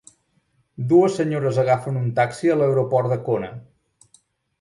Dues senyores agafen un taxi a l'aeroport de Kona.